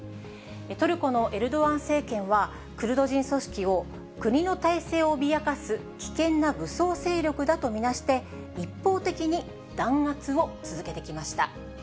トルコのエルドアン政権は、クルド人組織を国の体制を脅かす危険な武装勢力だと見なして、一方的に弾圧を続けてきました。